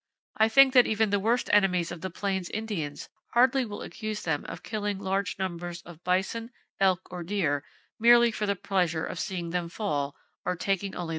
I think that even the worst enemies of the plains Indians hardly will accuse them of killing large numbers of bison, elk or deer merely for the pleasure of seeing them fall, or taking only their teeth.